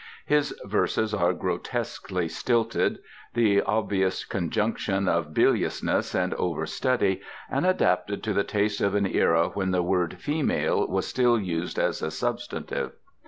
His verses are grotesquely stilted, the obvious conjunction of biliousness and overstudy, and adapted to the taste of an era when the word female was still used as a substantive.